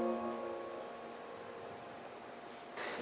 ที่ได้เงินเพื่อจะเก็บเงินมาสร้างบ้านให้ดีกว่า